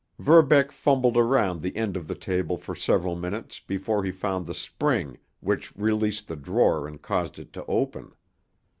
Verbeck fumbled around the end of the table for several minutes before he found the spring which released the drawer and caused it to open.